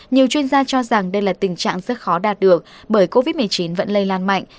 nhiều chuyên gia cho rằng đây là tình trạng rất khó đạt được bởi covid một mươi chín vẫn lây lan mạnh